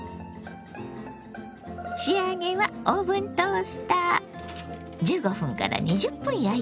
仕上げはオーブントースター。